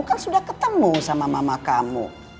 kan sudah ketemu sama mama kamu